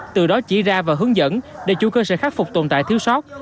từ đó chỉ ra và hướng dẫn để chủ cơ sở khắc phục tồn tại thiếu sót